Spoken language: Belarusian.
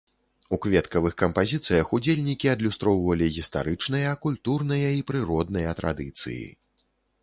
У кветкавых кампазіцыях ўдзельнікі адлюстроўвалі гістарычныя, культурныя і прыродныя традыцыі.